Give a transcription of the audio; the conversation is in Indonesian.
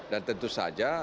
dan tentu saja